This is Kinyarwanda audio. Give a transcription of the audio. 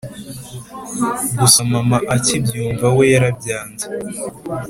gusa mama akibyumva we yarabyanze